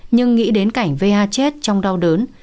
nhưng nghĩ đến cảnh va chết trong đau đớn